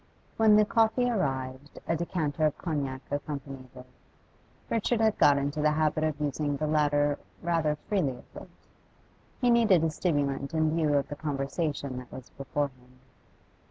When the coffee arrived a decanter of cognac accompanied it. Richard had got into the habit of using the latter rather freely of late. He needed a stimulant in view of the conversation that was before him.